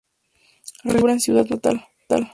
Realizó toda su obra en su ciudad natal.